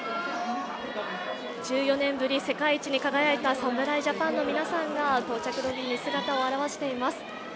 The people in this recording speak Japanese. １４年ぶり、世界一に輝いた侍ジャパンの皆さんが到着ロビーに姿を現しています。